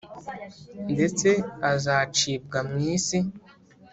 ndetse azacibwa mu isi